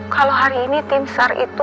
kalau hari ini tim sar itu